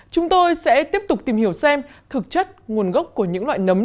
chúng tôi sẽ tiếp tục tìm hiểu xem thực chất nguồn gốc của những loại nấm